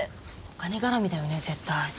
お金絡みだよね絶対。